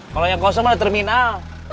kalau yang kosong ada terminal